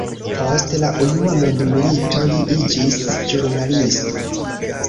Post la unua mondmilito li iĝis ĵurnalisto.